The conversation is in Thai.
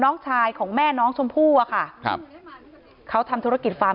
น้องชายของแม่น้องชมพูค่ะครับ